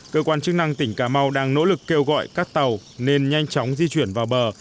cơ quan chức năng tỉnh cà mau đang nỗ lực kêu gọi các tàu nên nhanh chóng di chuyển vào bờ